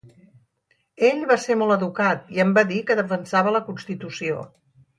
Ell va ser molt educat i em va dir que defensava la constitució.